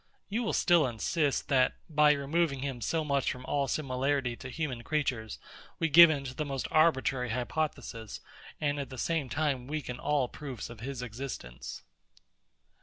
You will still insist, that, by removing him so much from all similarity to human creatures, we give in to the most arbitrary hypothesis, and at the same time weaken all proofs of his existence.